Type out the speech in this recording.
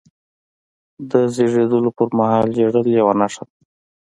د زیږېدلو پرمهال ژړل یوه نښه ده.